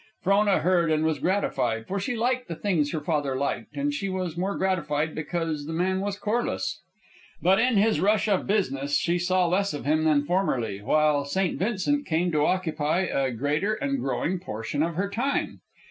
Frona heard and was gratified, for she liked the things her father liked; and she was more gratified because the man was Corliss. But in his rush of business she saw less of him than formerly, while St. Vincent came to occupy a greater and growing portion of her time.